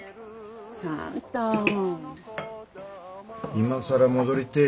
今更戻りてえ